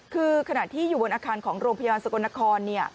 คือขณะที่อยู่บนอาคารของโรงพยาบาลสกลนคร